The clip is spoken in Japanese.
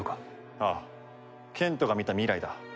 ああ賢人が見た未来だ。